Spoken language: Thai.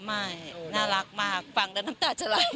ไม่น่ารักมากฟังแล้วน้ำตาจะไหล